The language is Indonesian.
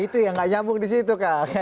itu yang nggak nyambung di situ kak